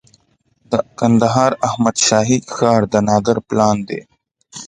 د کندهار احمد شاهي ښار د نادر پلان دی